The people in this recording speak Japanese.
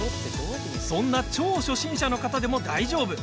そんな超初心者の方でも大丈夫。